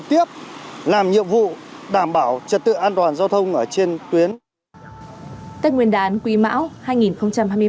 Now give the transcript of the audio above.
tất nguyên đán quý mão hai nghìn hai mươi một